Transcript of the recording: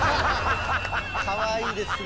かわいいですね。